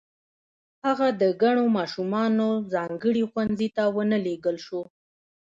هغه د کڼو ماشومانو ځانګړي ښوونځي ته و نه لېږل شو